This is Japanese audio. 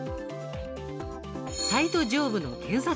サイト上部の検索